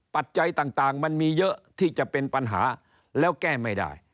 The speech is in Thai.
ปัจจัยต่างมันมีเยอะที่จะเป็นปัญหาแล้วแก้ไม่ได้